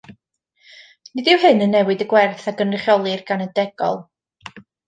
Nid yw hyn yn newid y gwerth a gynrychiolir gan y degol.